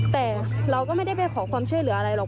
แต่เราก็ไม่ได้ไปขอความช่วยเหลืออะไรหรอก